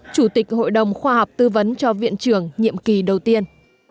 chủ tịch hội đồng khoa học tư vấn cho viện trưởng nhiệm kỳ đầu tiên